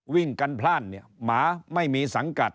วิ่งกันพลาดเนี่ยหมาไม่มีสังกัด